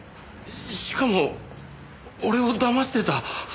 しかも俺を騙してた。